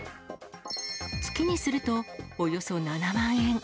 月にすると、およそ７万円。